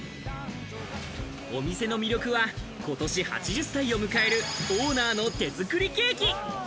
お店の魅力は、ことし８０歳を迎える、オーナーの手作りケーキ。